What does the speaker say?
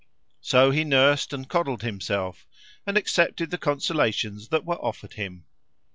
So he nursed and coddled himself and accepted the consolations that were offered him.